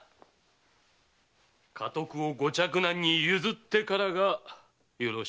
家督をご嫡男に譲ってからがよろしいのでは？